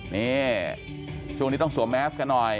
นี่ช่วงนี้ต้องสวมแมสกันหน่อย